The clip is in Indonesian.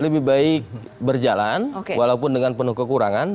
lebih baik berjalan walaupun dengan penuh kekurangan